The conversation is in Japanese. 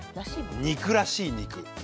肉らしい肉。